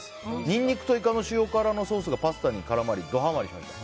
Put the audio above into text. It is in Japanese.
ニンニクとイカの塩辛のソースがパスタに絡まりドハマりしました。